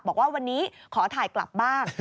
บอกว่าวันนี้ขอถ่ายกลับบ้าง